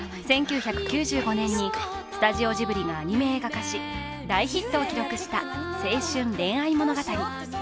１９９５年にスタジオジブリがアニメ映画化し、大ヒットを記録した青春恋愛物語。